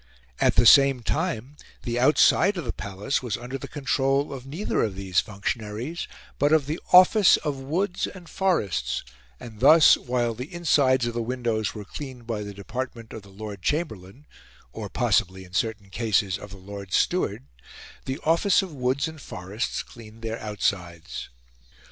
At the same time, the outside of the Palace was under the control of neither of these functionaries but of the Office of Woods and Forests; and thus, while the insides of the windows were cleaned by the Department of the Lord Chamberlain or possibly, in certain cases, of the Lord Steward the Office of Woods and Forests cleaned their outsides.